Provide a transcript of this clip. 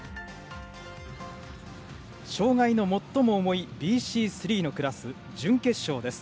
障がいの最も重いＢＣ３のクラス準決勝です。